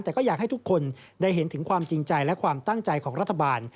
แต่ก็อยากให้ทุกคนได้เห็นถึงความจริงใจและความตั้งใจของรัฐบาล